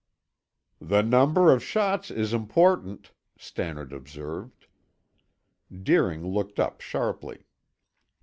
"The number of shots is important," Stannard observed. Deering looked up sharply.